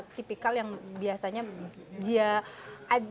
tipikal yang biasanya dia ada